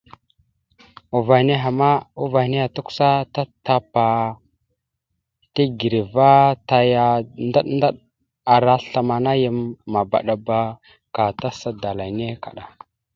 Uvah nehe tukəsa tatapa tigəreva taya ndaɗ ndaɗ ara aslam ana yam mabaɗaba ka tasa dala enne kaɗa.